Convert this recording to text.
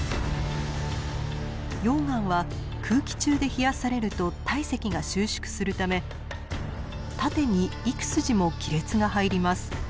溶岩は空気中で冷やされると体積が収縮するため縦に幾筋も亀裂が入ります。